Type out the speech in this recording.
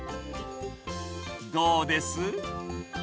どうです？